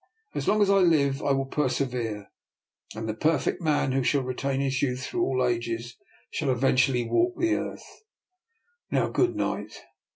As long as I live, I will persevere, and the perfect man, who shall retain his youth through all ages, 272 DR. NIKOLA'S EXPERIMENT. shall eventually walk the earth. Now good night."